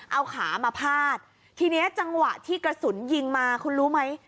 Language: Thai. เอาขามาพาดทีนี้จังหวะที่กระสุนยิงมาคุณรู้ไหม